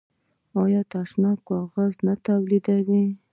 آیا د تشناب کاغذ نه تولیدوي؟